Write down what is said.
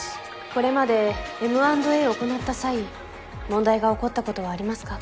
これまでＭ＆Ａを行った際問題が起こったことはありますか？